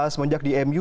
semunjak di mu